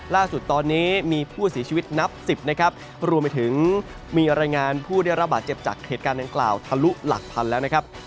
ล่าสุดตอนนี้มีผู้ศิษย์ชีวิตนับ๑๐รวมไปถึงมีรายงานผู้ได้รับบาดเจ็บจากเหตุการณ์กล่าวทะลุหลักพันธุ์แล้ว